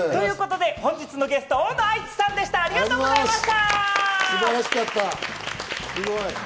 本日のゲストは大野愛地さんでした。